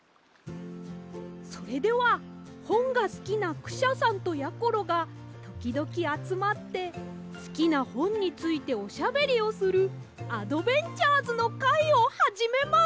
それではほんがすきなクシャさんとやころがときどきあつまってすきなほんについておしゃべりをするあどべんちゃーずのかいをはじめます！